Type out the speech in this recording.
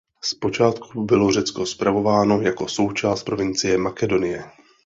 Zpočátku bylo Řecko spravováno jako součást provincie Makedonie.